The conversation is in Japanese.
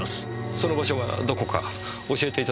その場所がどこか教えていただけませんか？